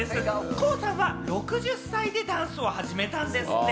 ＫＯＯさんは６０歳でダンスを始めたんですって。